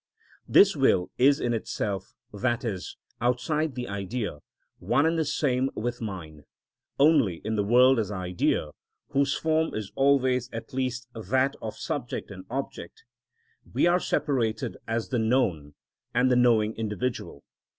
This will is in itself, i.e., outside the idea, one and the same with mine: only in the world as idea, whose form is always at least that of subject and object, we are separated as the known and the knowing individual.